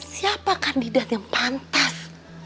siapa kandidat yang pantas